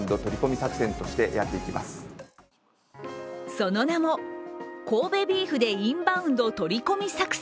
その名も神戸ビーフでインバウンド取り込み作戦。